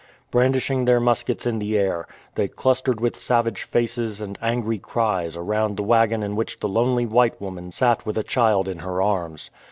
Brandishing their muskets in the air, they clustered with savage faces and angry cries round the waggon in which the lonely white woman sat with a child in her arms.